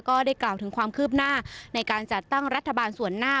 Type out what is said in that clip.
ก็ได้กล่าวถึงความคืบหน้าในการจัดตั้งรัฐบาลส่วนหน้า